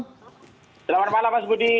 selamat malam pak subudi